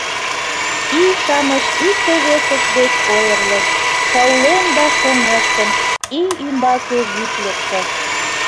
Ий-шамыч икте-весышт деч ойырлышт, шаулен да шоҥештын, ий ӱмбаке вӱд лекте.